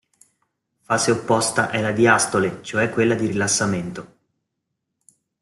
Fase opposta è la diastole cioè quella di rilassamento.